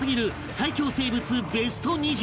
最恐生物ベスト２０